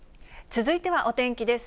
続いてはお天気です。